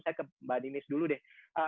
saya ke mbak ninis dulu deh